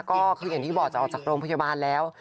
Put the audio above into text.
ก็คืออย่างที่บอกจะออกจากโรงพยาบาลแล้ว